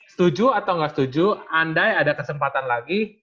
setuju atau nggak setuju andai ada kesempatan lagi